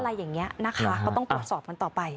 อะไรอย่างนี้นะคะก็ต้องตรวจสอบกันต่อไป